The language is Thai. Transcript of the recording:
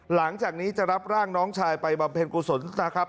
หลังจากนี้จะรับร่างน้องชายไปบำเพ็ญกุศลนะครับ